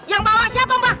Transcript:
yang bawa siapa mbak